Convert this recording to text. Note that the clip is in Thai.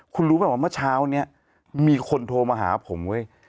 คุณรู้ไหมว่าเมื่อเช้านี้มีคนโทรมาหาผมเว้ย